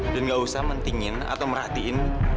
dan gak usah mentingin atau merhatiin